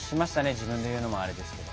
自分で言うのもあれですけど。